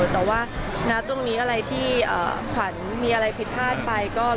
แต่ว่าณตรงนี้อะไรที่ขวัญมีอะไรผิดพลาดไป